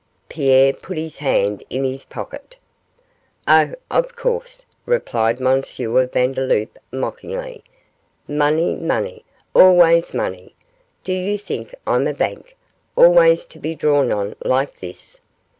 Pierre put his hand in his pocket. 'Oh, of course,' replied M. Vandeloup, mockingly, 'money, money, always money; do you think I'm a bank, always to be drawn on like this?